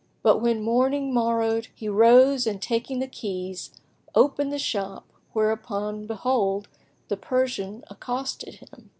But when morning morrowed, he rose and taking the keys, opened the shop, whereupon behold, the Persian accosted him.